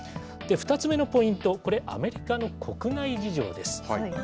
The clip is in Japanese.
２つ目のポイント、これ、アメリカの国内事情です。